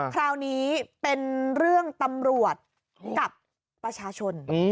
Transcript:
คราวนี้เป็นเรื่องตำรวจกับประชาชน